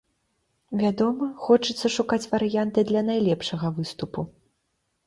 Вядома, хочацца шукаць варыянты для найлепшага выступу.